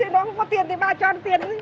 nó không có tiền thì bà cho nó tiền